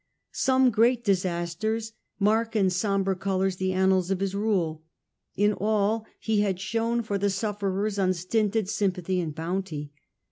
Some great disasters mark in sombre colours the annals of his rule ; in all he had shown for the sufferers The disat Unstinted sympathy and bounty.